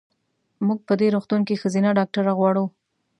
مونږ په دې روغتون کې ښځېنه ډاکټره غواړو.